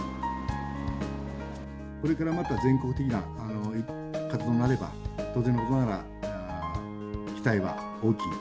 これからまた全国的な活動になれば、当然のことながら、期待は大きい。